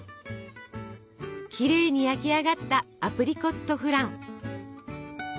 きれいに焼き上がったアプリコットフラン。